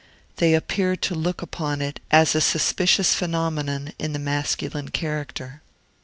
They appear to look upon it as a suspicious phenomenon in the masculine character.